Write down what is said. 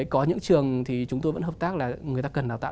có những trường thì chúng tôi vẫn hợp tác là người ta cần đào tạo